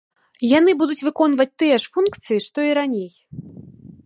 Яны будуць выконваць тыя ж функцыі, што і раней.